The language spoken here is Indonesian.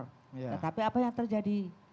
tetapi apa yang terjadi